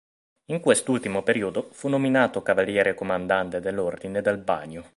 In quest'ultimo periodo fu nominato Cavaliere Comandante dell'Ordine del Bagno.